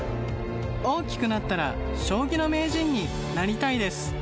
大きくなったら将棋の名人になりたいです。